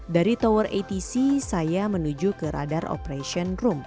dari tower atc saya menuju ke radar operation room